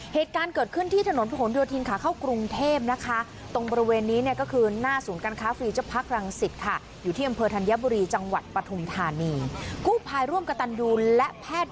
เหตุการณ์เกิดขึ้นที่ถนนพระของดิวทีนค่ะ